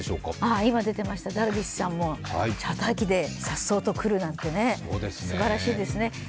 今出てましたダルビッシュさんもチャーター機でさっそうと来るなんてすばらしいですね。